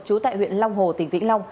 trú tại huyện long hồ tỉnh vĩnh long